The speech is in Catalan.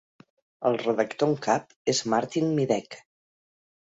El redactor en cap és Martin Middeke.